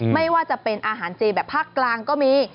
ไม่ว่าจะเป็นอาหารเจแบบภาคกลางก็มี